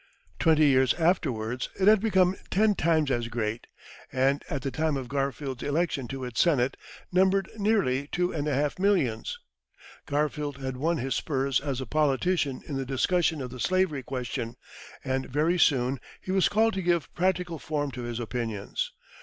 Twenty years afterwards it had become ten times as great, and at the time of Garfield's election to its Senate, numbered nearly two and a half millions. Garfield had won his spurs as a politician in the discussion of the slavery question, and very soon he was called to give practical form to his opinions.